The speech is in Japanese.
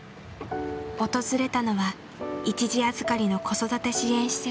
訪れたのは一時預かりの子育て支援施設。